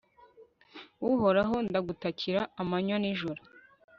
uhoraho, ndagutakira amanywa n'ijoro